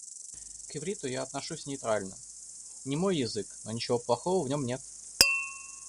К ивриту я отношусь нейтрально. Не мой язык, но ничего плохого в нём нет.